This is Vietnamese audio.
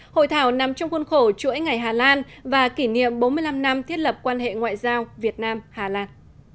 hội thảo nằm trong khuôn khổ chuỗi ngày hà lan và kỷ niệm bốn mươi năm năm thiết lập quan hệ ngoại giao việt nam hà lan